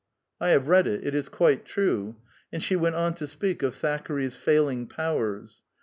''I have read it; it is quite trae." And she went on to speak of Thackeray's failing powers.